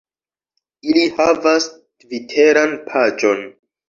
Ili havas tviteran paĝon